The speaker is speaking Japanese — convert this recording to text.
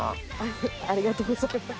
ありがとうございます。